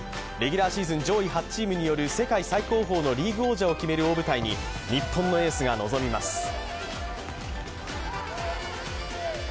レギュラーシーズン上位８チームによる世界最高峰のリーグ王者を決める大舞台に日本のエースが臨みます。